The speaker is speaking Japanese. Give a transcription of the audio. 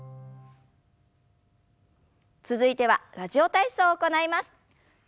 続いては「ラジオ体操」を行います。